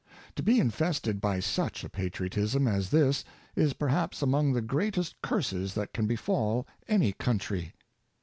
/' To be infested by such a patriotism as this is perhaps among the greatest curses that can befall any country.